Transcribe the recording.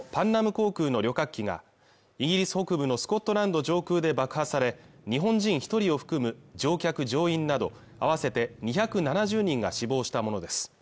航空の旅客機がイギリス北部のスコットランド上空で爆破され日本人一人を含む乗客乗員など合わせて２７０人が死亡したものです